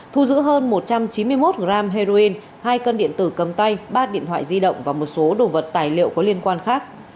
thu giữ hơn một trăm chín mươi một g heroin hai cân điện tử cầm tay ba điện thoại di động và một số đồ vật tài liệu có liên quan khác